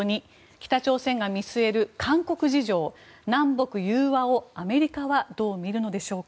北朝鮮が見据える韓国事情南北融和をアメリカはどう見るのでしょうか？